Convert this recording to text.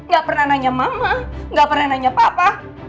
gak pernah nanya mama gak pernah nanya papa